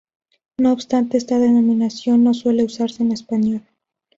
No obstante, esta denominación no suele usarse en español.